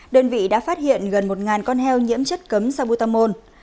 đơn vị đã phát hiện gần một con heo nhiễm chất cấm sabutamol